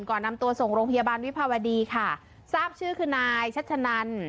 ก่อนนำตัวส่งโรงพยาบาลวิภาวดีค่ะทราบชื่อคือนายชัชนัน